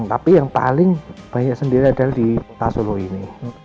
tapi yang paling banyak sendiri adalah di pasolo ini